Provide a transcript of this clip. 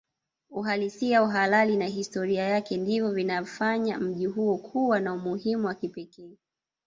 Uhalisia uhalali na historia yake ndivyo vinafanya mji huo kuwa na umuhimu wa kipekee